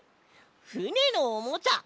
ふねのおもちゃ！